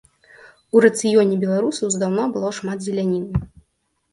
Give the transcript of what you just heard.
У рацыёне беларусаў здаўна было шмат зеляніны.